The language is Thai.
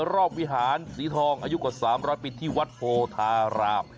วิหารสีทองอายุกว่า๓๐๐ปีที่วัดโพธาราม